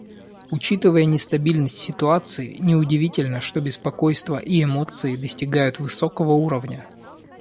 Учитывая нестабильность ситуации, неудивительно, что беспокойство и эмоции достигают высокого уровня.